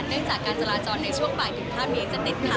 เรื่องจากการจราจรในช่วงบ่ายถึงข้ามนี้จะติดค่ะ